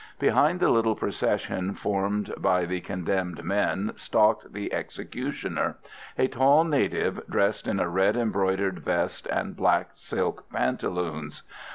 Behind the little procession formed by the condemned men stalked the executioner, a tall native dressed in a red embroidered vest and black silk pantaloons.